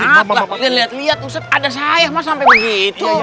liat liat ada saya mas sampe begitu